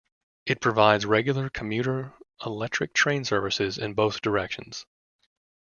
It provides regular commuter electric train services in both directions.